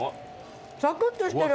サクッとしてる。